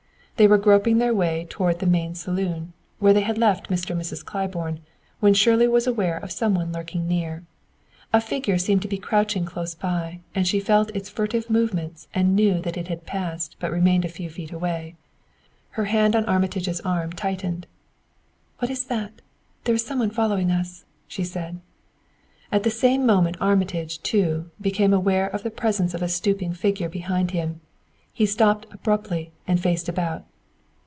They were groping their way toward the main saloon, where they had left Mr. and Mrs. Claiborne, when Shirley was aware of some one lurking near. A figure seemed to be crouching close by, and she felt its furtive movements and knew that it had passed but remained a few feet away. Her hand on Armitage's arm tightened. "What is that? there is some one following us," she said. At the same moment Armitage, too, became aware of the presence of a stooping figure behind him. He stopped abruptly and faced about.